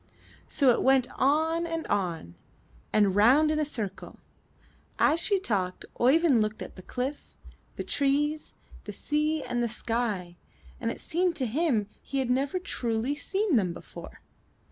So it went on and on, and round in a circle. As she talked Oeyvind looked at the cliff, the trees, the sea and the sky, and it seemed to him he had never truly seen them before.